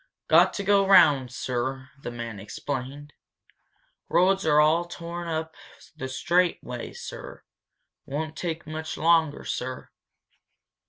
"Got to go round, sir," the man explained. "Roads are all torn up the straight way, sir. Won't take much longer, sir."